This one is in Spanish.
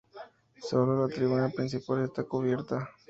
Solo la tribuna principal está cubierta.